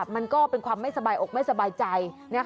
มันก็เป็นความไม่สบายอกไม่สบายใจ